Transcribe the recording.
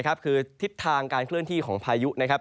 คือทิศทางการเคลื่อนที่ของพายุนะครับ